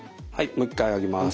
もう一回上げます。